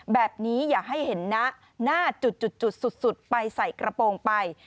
อย่าให้เห็นนะหน้าจุดสุดไปใส่กระโปรงไป